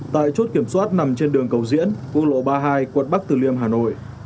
tại chốt kiểm soát nằm trên đường cầu diễn quốc lộ ba mươi hai quận bắc tử liêm hà nội